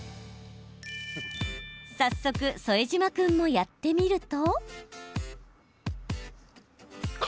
早速、副島君もやってみると。